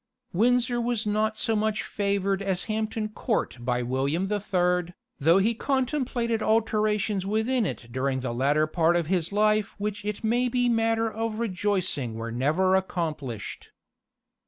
Windsor was not so much favoured as Hampton Court by William the Third, though he contemplated alterations within it during the latter part of his life which it may be matter of rejoicing were never accomplished.